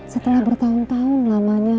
setelah bertahun tahun lamanya